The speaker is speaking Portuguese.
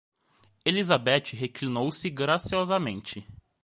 Elizabeth reclinou-se graciosamente.